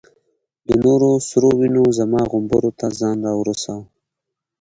نورو سرو وینو زما غومبورو ته ځان را ورساوه.